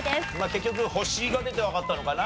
結局「星」が出てわかったのかな？